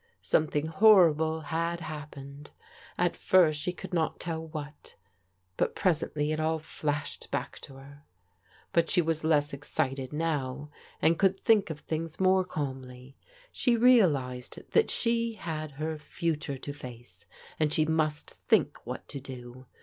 Something horrible had happened. At first she could not tell what, but presently it all flashed back to her. But she was less excited now, and co>Ad >i!cL\sJ«L ^t 246 PRODIGAL DAUGHTERS things more calmly. She realized that she had her fu ture to face, and she must think what to do.